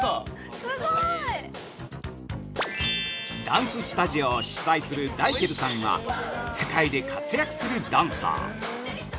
◆ダンススタジオを主催するダイケルさんは、世界で活躍するダンサー。